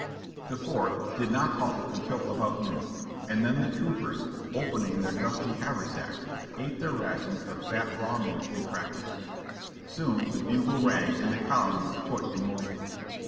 The Fourth did not halt until about noon, and then the troop ers, opening their dusty haversacks, ate their rations of fat raw meat and crackers. Soon the bugle rang and the column was put in motion.